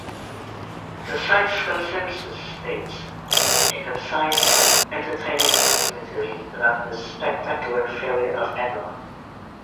The site's consensus states: A concise, entertaining documentary about the spectacular failure of Enron.